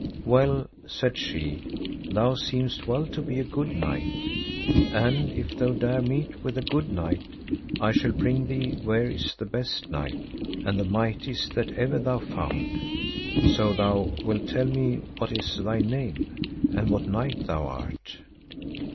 Well, said she, thou seemest well to be a good knight, and if thou dare meet with a good knight, I shall bring thee where is the best knight, and the mightiest that ever thou found, so thou wilt tell me what is thy name, and what knight thou art.